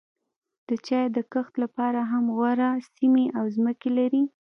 د چای د کښت لپاره هم غوره سیمې او ځمکې لري.